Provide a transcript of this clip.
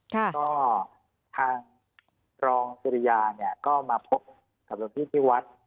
ก็ทางรองสุริยาเนี่ยก็มาพบกับหลวงพี่ที่วัด